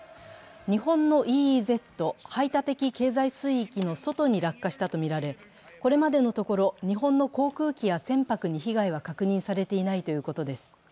日本のＥＥＺ＝排他的経済水域の外に落下したとみられこれまでのところ日本の航空機や船舶に被害は確認されていないということです。